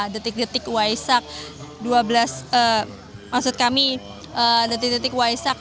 detik detik waisak dua belas maksud kami detik detik waisak